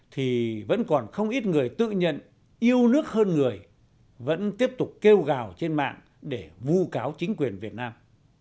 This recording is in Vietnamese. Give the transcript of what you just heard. thì vẫn còn không ít người tự nhận yêu nước hơn người vẫn tiếp tục kêu gào trên mạng để vu cáo chính quyền việt nam